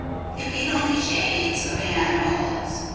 They made only shapes of animals.